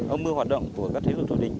ông mưu hoạt động của các thế lực thủ địch